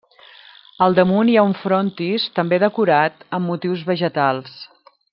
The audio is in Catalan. Al damunt hi ha un frontis, també decorat amb motius vegetals.